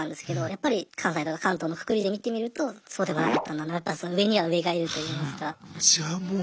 やっぱり関西とか関東のくくりで見てみるとそうでもなかったんだな上には上がいるといいますか。